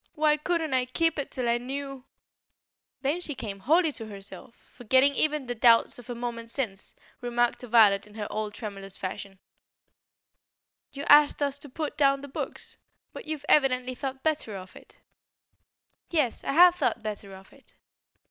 Why couldn't I keep it till I knew " Then she came wholly to herself and, forgetting even the doubts of a moment since, remarked to Violet in her old tremulous fashion: "You asked us to pull down the books? But you've evidently thought better of it." "Yes, I have thought better of it."